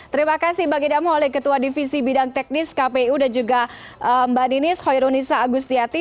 terima kasih mbak gidamu oleh ketua divisi bidang teknis kpu dan juga mbak dinis hoironisa agustiati